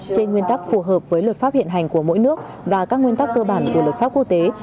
trên nguyên tắc phù hợp với luật pháp hiện hành của mỗi nước và các nguyên tắc cơ bản của luật pháp quốc tế